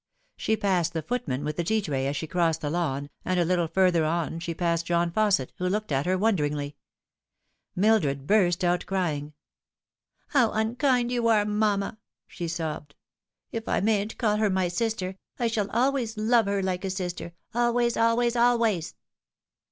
She passed the footman with the tea tray as she crossed the Uwn, and a little further on she passed John Fausset, who looked at her wonderingly. Mildred burst out crying. " How unkind you are, mamma !" she sobbed. " If I mayn't call her my sister, I shall always love her like a sister always, always, always."